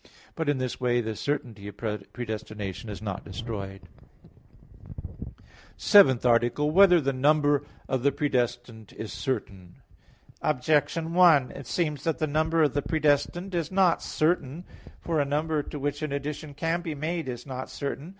But in this way the certainty of predestination is not destroyed. _______________________ SEVENTH ARTICLE [I, Q. 23, Art. 7] Whether the Number of the Predestined Is Certain? Objection 1: It seems that the number of the predestined is not certain. For a number to which an addition can be made is not certain.